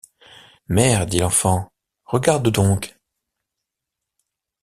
Mère, dit l’enfant, regarde donc!